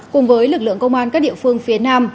cùng với lực lượng công an các địa phương phía nam